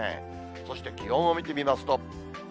そして気温を見てみますと。